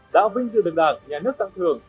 đã vinh dự đường đảng nhà nước tặng thưởng